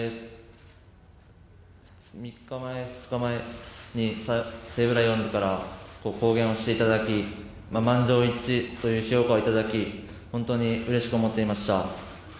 ２日前に西武ライオンズから公言をしていただき満場一致という評価をいただき、本当にうれしく思っていました。